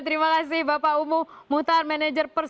terima kasih bapak umu muhtar manager pembangunan